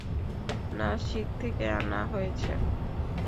নাসিক থেকে আনা হয়েছে।